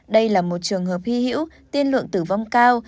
đây là một trường hợp hy hữu tiên lượng tử vong cao